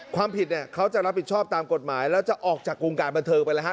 ความผิดเนี่ยเขาจะรับผิดชอบตามกฎหมายแล้วจะออกจากวงการบันเทิงไปแล้วฮะ